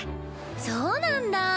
そうなんだ。